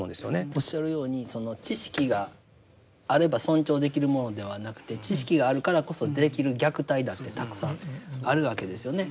おっしゃるようにその知識があれば尊重できるものではなくて知識があるからこそできる虐待だってたくさんあるわけですよね。